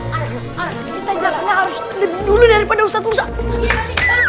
kita jaraknya harus lebih dulu daripada ustadz ustadz